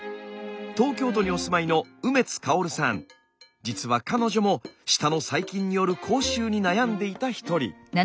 東京都にお住まいの実は彼女も舌の細菌による口臭に悩んでいた一人。